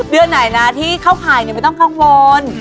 เดือนไหนนะที่ใคร้ไม่ต้องข้างวน